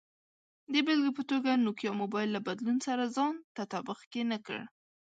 د بېلګې په توګه، نوکیا موبایل له بدلون سره ځان تطابق کې نه کړ.